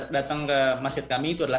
datang ke masjid kami itu adalah